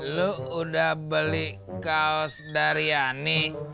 lu udah beli kaos dari ani